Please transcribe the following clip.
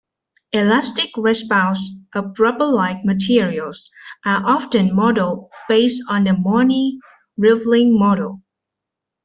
Elastic response of rubber-like materials are often modeled based on the Mooney-Rivlin model.